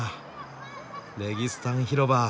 レギスタン広場。